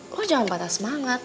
lo jangan patah semangat